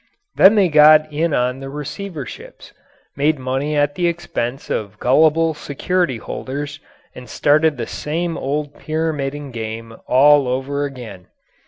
Then they got in on the receiverships, made money at the expense of gullible security holders, and started the same old pyramiding game all over again.